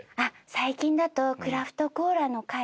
最近だとクラフトコーラの回。